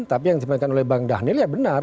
tapi yang disampaikan oleh bang dhanil ya benar